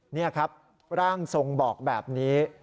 นี่ครับร่างทรงบอกแบบนี้